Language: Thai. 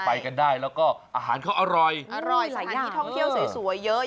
ไปกันได้แล้วก็อาหารเขาอร่อยอร่อยหลายที่ท่องเที่ยวสวยสวยเยอะ